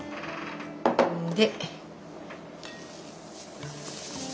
で。